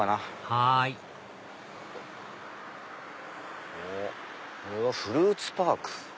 はいあれは「フルーツパーク」。